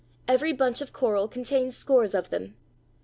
Every bunch of coral contains scores of them.